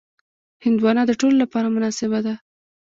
هندوانه د ټولو لپاره مناسبه ده.